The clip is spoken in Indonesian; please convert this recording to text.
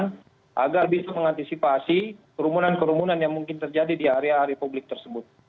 agar bisa mengantisipasi kerumunan kerumunan yang mungkin terjadi di area republik tersebut